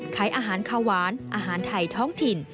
ขายอาหารข้าวหวานอาหารไทยท้องถิ่น